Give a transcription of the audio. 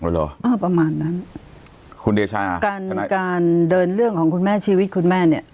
เหรออ่าประมาณนั้นคุณเดชาการการเดินเรื่องของคุณแม่ชีวิตคุณแม่เนี้ย